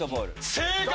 正解！